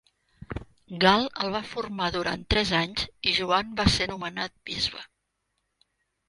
Gal el va formar durant tres anys i Joan va ser nomenat bisbe.